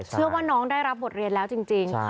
เชื่อว่าน้องได้รับบทเรียนแล้วจริง